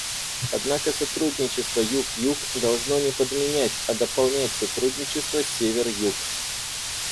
Однако сотрудничество Юг-Юг должно не подменять, а дополнять сотрудничество Север-Юг.